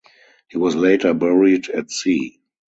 He was later buried at sea.